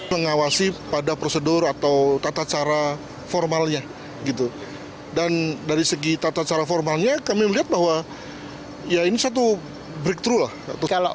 mengawasi pada prosedur atau tata cara formalnya gitu dan dari segi tata cara formalnya kami melihat bahwa ya ini satu breakthroug lah